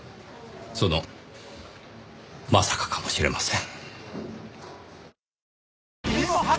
そのまさかかもしれません。